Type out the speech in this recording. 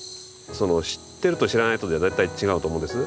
知ってると知らないとじゃ絶対違うと思うんです。